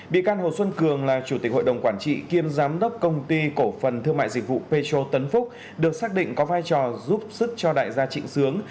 bị can hồ xuân cường là chủ tịch hội đồng quản trị kiêm giám đốc công ty cổ phần thương mại dịch vụ petro tấn phúc được xác định có vai trò giúp sức cho đại gia trịnh sướng